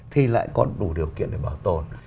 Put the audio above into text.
thì lại có đủ điều kiện để bảo tồn